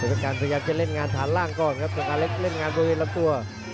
ประการสะยังจะเล่นงานฐานล่างก่อนครับส่องขาเล็กเล่นงานก็ได้รับตัว